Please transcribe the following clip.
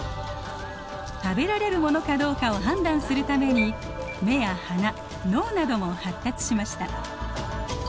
食べられるものかどうかを判断するために眼や鼻脳なども発達しました。